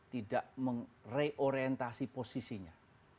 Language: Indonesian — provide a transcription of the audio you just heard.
tidak meng reorientasi posisinya